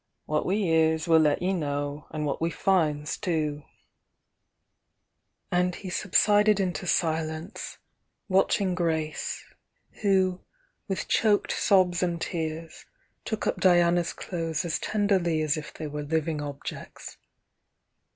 What we 'ears we'll let ye know an' what we finds too " And he subsided into sUence, watching Grace, who, with choked sobs and tears, took up Diana's clothes as tenderly as if they were living objects.